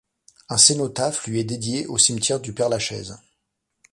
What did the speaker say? Un cénotaphe lui est dédié au cimetière du Père-Lachaise.